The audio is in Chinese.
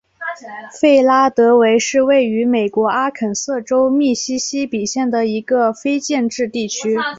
弗拉德韦是位于美国阿肯色州密西西比县的一个非建制地区。